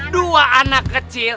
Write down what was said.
dua anak kecil